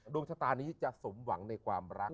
ดวงชะตานี้จะสมหวังในความรัก